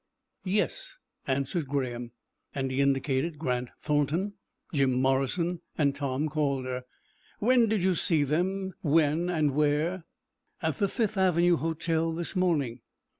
"Yes," answered Graham, and he indicated Grant Thornton, Jim Morrison and Tom Calder. "When did you see them, and where?" "At the Fifth Avenue Hotel this morning."